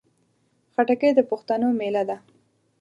خټکی د پښتنو مېله ده.